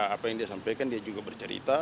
apa yang dia sampaikan dia juga bercerita